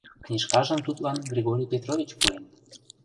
Книжкажым тудлан Григорий Петрович пуэн...